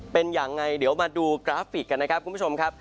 เป็นยังไงเดี๋ยวมาดูกราฟิกกันนะครับคุณผู้ชมครับ